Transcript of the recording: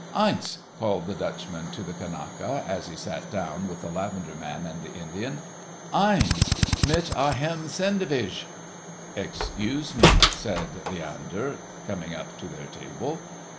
"Eins!" called the Dutchman to the Kanaka, as he sat down with the lavender man and the Indian. "Eins—mit a hem sendvidge." "Excuse me," said Leander, coming up to their table.